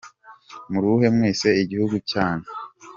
Muruhe mwese igihugu cyanyu